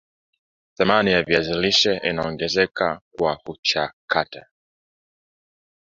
Thamani ya viazi lishe inaongezeka kwa kuchakata